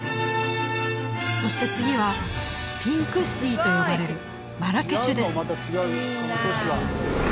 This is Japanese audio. そして次はピンクシティと呼ばれるマラケシュです